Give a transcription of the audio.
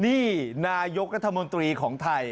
นี่นายกรัฐมนตรีของไทย